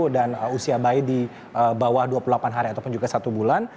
dan usia bayi di bawah dua puluh delapan hari ataupun juga satu bulan